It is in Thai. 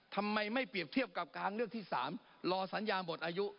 ทำไมไม่เปรียบเทียบกับการเลือกที่๓รอสัญญาหมดอายุ